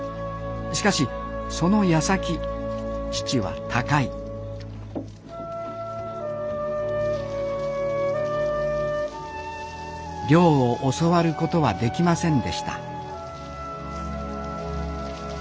しかしその矢先父は他界漁を教わることはできませんでした